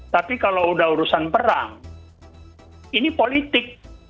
tapi kalau udah urusan perang ini politik